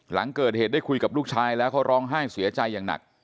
หลังเกิดเหตุได้คุยกับลูกชายแล้วเขาร้องไห้เสียใจอย่างหนัก